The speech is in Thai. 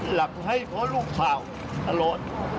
หลับให้เพราะลูกข่าวตลอด